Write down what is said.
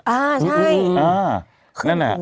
อ่าใช่